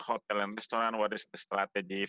hotel dan restoran apa strateginya